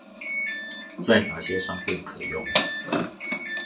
在哪些商店可用